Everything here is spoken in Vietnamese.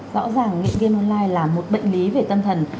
rõ ràng nghiện game online là một bệnh lý về tâm thần